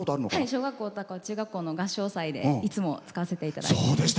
小学校とか中学校とかの合唱際でいつも使わせていただいてます。